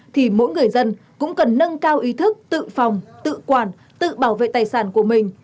thì mỗi người dân cũng cần nâng cao ý thức tự phòng tự quản tự bảo vệ tài sản của mình